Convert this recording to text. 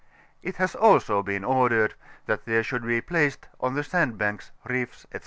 It has been also ordered, that there should be placed on the sand banks, reefs, &c.